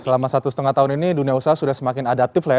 selama satu setengah tahun ini dunia usaha sudah semakin adaptif lah ya